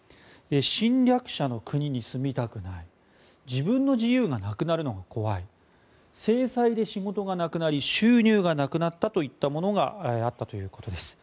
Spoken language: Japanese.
侵略者の国に住みたくない自分の自由がなくなるのが怖い制裁で仕事がなくなり収入がなくなったというものがあったということです。